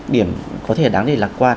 điểm có thể đáng để lạc quan